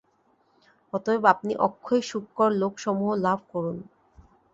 অতএব আপনি অক্ষয় সুখকর লোকসমূহ লাভ করুন।